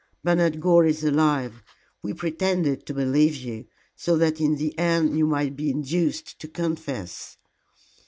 Bernard Gore is alive. We pretended to believe you, so that in the end you might be induced to confess."